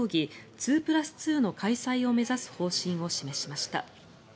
２プラス２の開催を目指す方針を示しました。